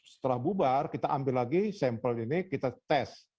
setelah bubar kita ambil lagi sampel ini kita tes